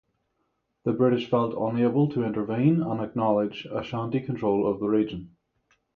The British felt unable to intervene and acknowledge Ashanti control of the region.